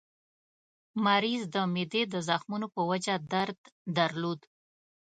مریض د معدې د زخمونو په وجه درد درلود.